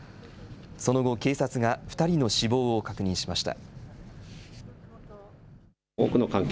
その後、警察が２人の死亡を確認しました。